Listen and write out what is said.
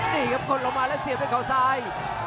นี่ครับกดลงมาแล้วเสียบด้วยเขาซ้าย